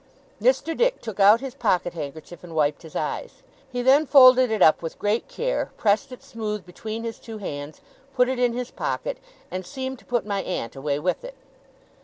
Mr. Dick took out his pocket handkerchief, and wiped his eyes. He then folded it up with great care, pressed it smooth between his two hands, put it in his pocket, and seemed to put my aunt away with it.